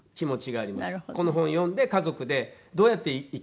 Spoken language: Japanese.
この本を読んで家族でどうやって生きたい？